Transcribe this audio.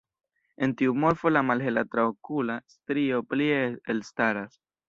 En tiu morfo la malhela traokula strio plie elstaras.